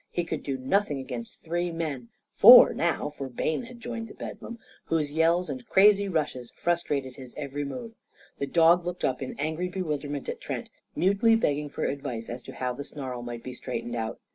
He could do nothing against three men four now, for Bayne had joined the bedlam whose yells and crazy rushes frustrated his every movement. The dog looked up in angry bewilderment at Trent, mutely begging for advice as to how the snarl might be straightened out.